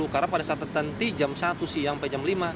karena pada saat tertentu jam satu siang sampai jam lima